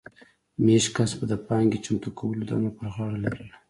مېشت کس به د پانګې چمتو کولو دنده پر غاړه لرله